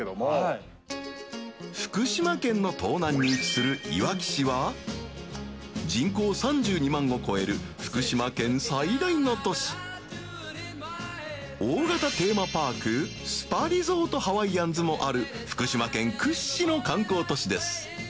福島県の東南に位置するいわき市は邑３２万を超える福島県最大の都市大型テーマパークスパリゾートハワイアンズもある福島県屈指の観光都市です